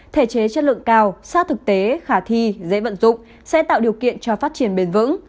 thể chế chất lượng cao sát thực tế khả thi dễ vận dụng sẽ tạo điều kiện cho phát triển bền vững